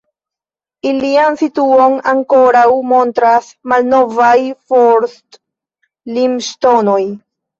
Ilian situon ankoraŭ montras malnovaj forst-limŝtonoj.